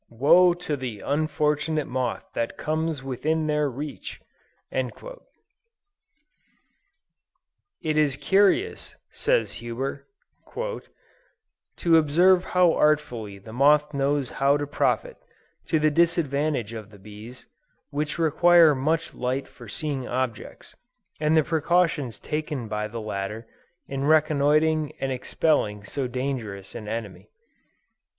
Woe to the unfortunate moth that comes within their reach!" "It is curious," says Huber, "to observe how artfully the moth knows how to profit, to the disadvantage of the bees, which require much light for seeing objects; and the precautions taken by the latter in reconnoitering and expelling so dangerous an enemy."